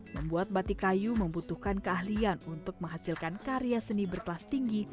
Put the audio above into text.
membuat batik kayu membutuhkan keahlian untuk menghasilkan karya seni berkelas tinggi